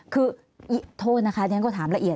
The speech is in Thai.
คือโทษนะคะเรียนก็ถามละเอียด